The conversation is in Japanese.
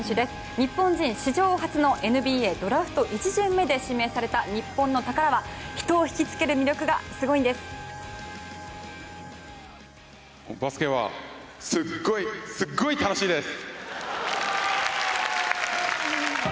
日本人史上初のＮＢＡドラフト１巡目で指名された日本の宝は人を引き付ける魅力がすごいんです。